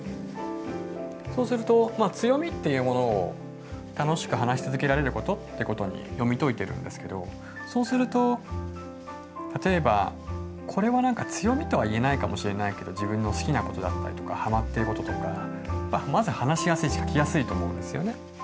そうすると強みっていうものを楽しく話し続けられることってことに読み解いてるんですけどそうすると例えばこれは何か強みとは言えないかもしれないけど自分の好きなことだったりとかはまってることとかまず話しやすいし書きやすいと思うんですよね。